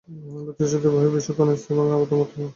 বৈচিত্র্য শুধু বহির্বিষয়ক, ক্ষণস্থায়ী এবং আপাতপ্রতীয়মান।